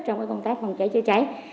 trong công tác phòng cháy chữa cháy